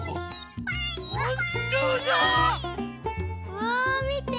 うわみて。